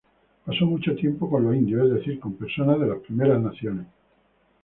Pasó mucho tiempo con los indios, es decir, con personas de las Primeras Naciones.